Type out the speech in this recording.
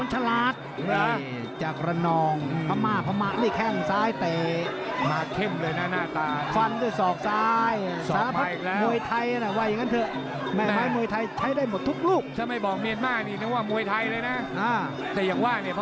แน่นอกแน่นอกแน่นอกแน่นอกแน่นอกแน่นอกแน่นอกแน่นอกแน่นอกแน่นอกแน่นอกแน่นอก